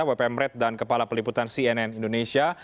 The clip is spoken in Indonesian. wp mret dan kepala peliputan cnn indonesia